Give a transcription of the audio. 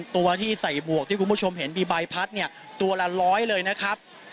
ตัวที่ใส่หมวกที่คุณผู้ชมเห็นมีใบพัดเนี่ยตัวละร้อยเลยนะครับ